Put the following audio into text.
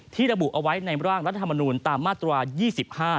ระบุเอาไว้ในร่างรัฐธรรมนูลตามมาตรา๒๕